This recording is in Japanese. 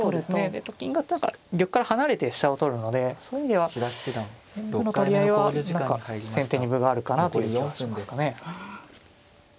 でと金が何か玉から離れて飛車を取るのでそういう意味では銀歩の取り合いは何か先手に分があるかなという気はしますかね。